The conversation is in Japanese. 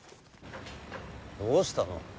どうしたの？